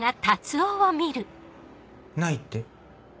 ないって？